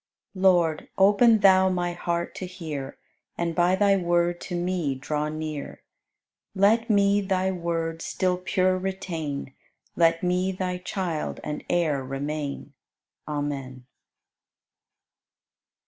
84. Lord, open Thou my heart to hear And by Thy Word to me draw near; Let me Thy Word still pure retain, Let me Thy child and heir remain. Amen.